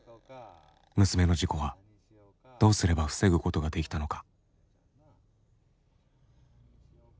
娘の事故はどうすれば防ぐことができたのか。